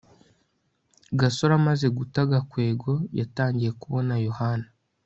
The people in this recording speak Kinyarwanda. gasore amaze guta gakwego, yatangiye kubona yohana